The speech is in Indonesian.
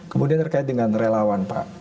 kemudian terkait dengan relawan pak